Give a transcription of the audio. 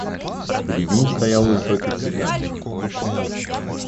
Пред ним стоял высокий цыган.